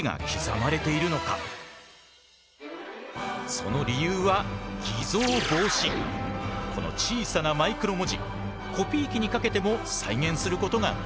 その理由はこの小さなマイクロ文字コピー機にかけても再現することができない。